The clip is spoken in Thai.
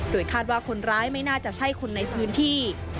คาดว่าคนร้ายไม่น่าจะใช่คนในพื้นที่